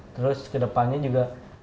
terus ke depannya juga